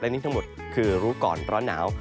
นี่ทั้งหมดคือรู้ก่อนร้อนหนาว